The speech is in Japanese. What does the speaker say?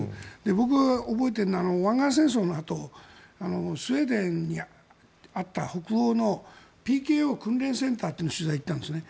僕、覚えているのは湾岸戦争のあとスウェーデンにあった、北欧のＰＫＯ訓練センターっていうのに取材に行ったんです。